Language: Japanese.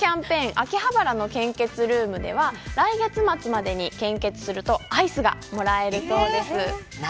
秋葉原の献血ルームでは来月末までに献血するとアイスがもらえるそうです。